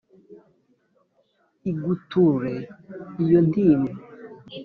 iguture iyo ntimba !